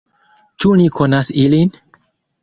Ĉu ni konas ilin?